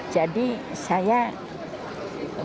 jadi saya berharap